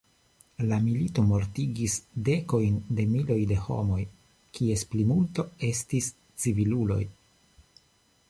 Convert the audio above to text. La milito mortigis dekojn de miloj de homoj, kies plimulto estis civiluloj.